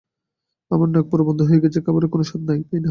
আমার নাক পুরো বন্ধ হয়ে আছে, খাবারের কোনো স্বাদ পাই না।